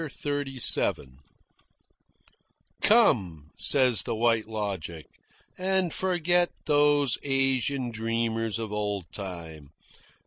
CHAPTER XXXVII "Come," says the White Logic, "and forget these Asian dreamers of old time.